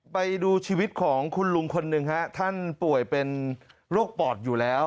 ไปดูชีวิตของคุณลุงคนหนึ่งฮะท่านป่วยเป็นโรคปอดอยู่แล้ว